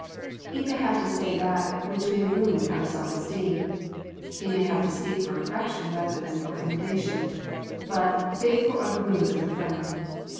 He may have to say that which may wound our self esteem ; he may have to speak for correction rather than for commendation; but "Faithful are the wounds of a friend."